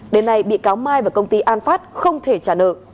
đến nay bị cáo mai và công ty an phát không thể trả nợ